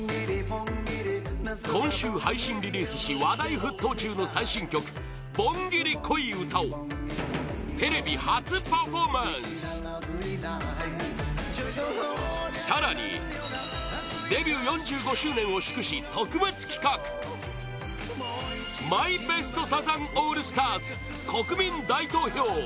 今週、配信リリースし話題沸騰中の最新曲「盆ギリ恋歌」をテレビ初パフォーマンス更に、デビュー４５周年を祝し特別企画マイ・ベスト・サザンオールスターズ国民大投票